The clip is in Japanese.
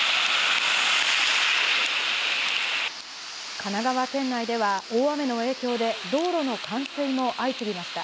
神奈川県内では、大雨の影響で道路の冠水も相次ぎました。